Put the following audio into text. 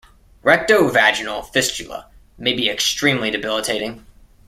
Rectovaginal fistula may be extremely debilitating.